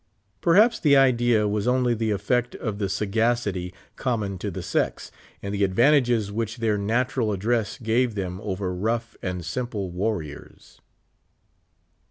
Perhaps the idea was onl}" the effect of the sagacity' common to the sex, and the advantages which their natural address gave them over rough and simple warriors.